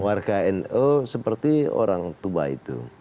warga nu seperti orang tua itu